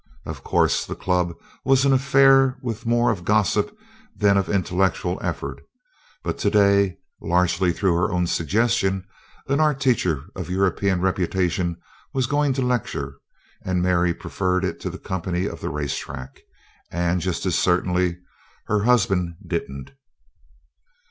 Of course, the Club was an affair with more of gossip than of intellectual effort, but today, largely through her own suggestion, an art teacher of European reputation was going to lecture, and Mary preferred it to the company of the race track. And just as certainly her husband didn't.